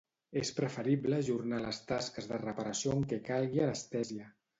És preferible ajornar les tasques de reparació en què calgui anestèsia.